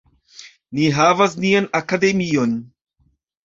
Ni havas nian Akademion.